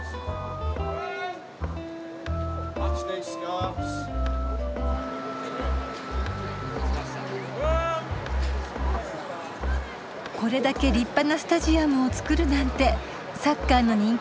これだけ立派なスタジアムを造るなんてサッカーの人気ぶりが分かるわね。